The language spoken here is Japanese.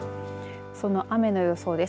その雨の予想です。